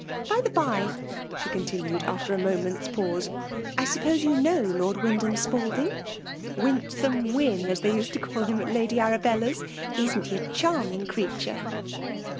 By the by," — she continued, after a mo ment's pause, — ^"I suppose you know Ix)rd Wyndham Spalding? 'Winsome Wyn/ as they used to call him at Lady Arabella's. Is'nt he a charming creature